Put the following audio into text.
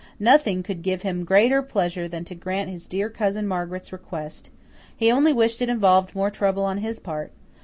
Nothing could give him greater pleasure than to grant his dear Cousin Margaret's request he only wished it involved more trouble on his part.